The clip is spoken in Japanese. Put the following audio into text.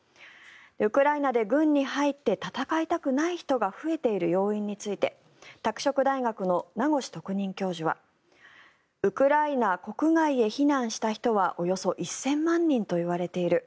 ウクライナで軍に入って戦いたくない人が増えている要因について拓殖大学の名越特任教授はウクライナ国外へ避難した人はおよそ１０００万人といわれている。